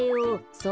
そう。